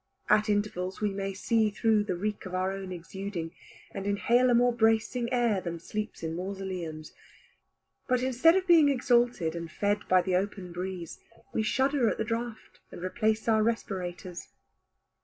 At intervals we may see through the reek of our own exuding, and inhale a more bracing air than sleeps in mausoleums. But instead of being exalted and fed by the open breeze, we shudder at the draught and replace our respirators.